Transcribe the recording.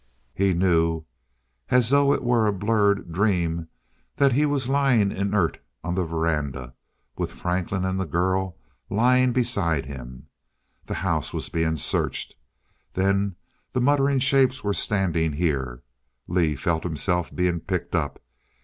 He knew as though it were a blurred dream that he was lying inert on the verandah, with Franklin and the girl lying beside him.... The house was being searched.... Then the muttering shapes were standing here. Lee felt himself being picked up.